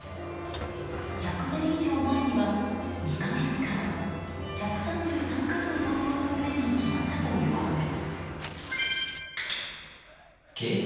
１００年以上前には２か月間１３３回の投票の末に決まったということです。